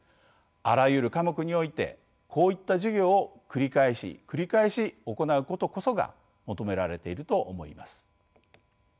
あらゆる科目においてこういった授業を繰り返し繰り返し行うことこそが求められていると思います。